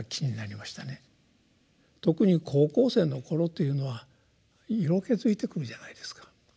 特に高校生の頃というのは色気づいてくるじゃないですか。